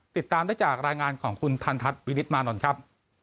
ติดตามได้จากรายงานของคุณทันทัศน์วินิตมานนท์ครับ